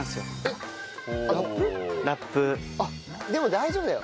あっでも大丈夫だよ。